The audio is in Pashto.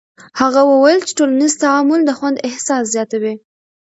هغه وویل چې ټولنیز تعامل د خوند احساس زیاتوي.